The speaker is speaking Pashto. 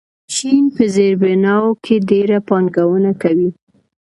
چین په زیربناوو کې ډېره پانګونه کوي.